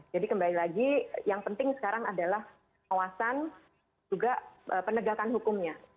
jadi kembali lagi yang penting sekarang adalah awasan juga penegakan hukumnya